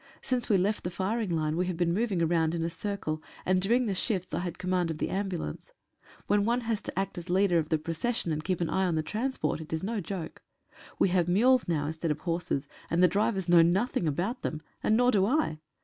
Since we left the firing line we have been moving round in a circle and during the shifts I had command of the ambulance. When one has to act as leader of the pro cession and keep an eye on the transport it is no joke. We have mules now, instead of horses, and the drivers know nothing about them — nor do I